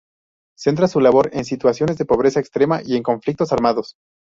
Centra su labor en situaciones de pobreza extrema y en conflictos armados.